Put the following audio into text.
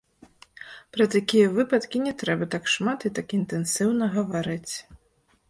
Пра такія выпадкі не трэба так шмат і так інтэнсіўна гаварыць.